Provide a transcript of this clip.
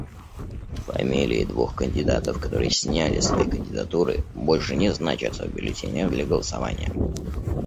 Фамилии двух кандидатов, которые сняли свои кандидатуры, больше не значатся в бюллетенях для голосования.